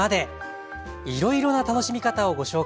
いろいろな楽しみ方をご紹介します。